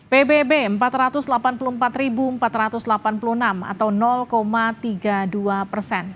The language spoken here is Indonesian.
pan sepuluh sembilan ratus delapan puluh empat atau dua puluh sembilan persen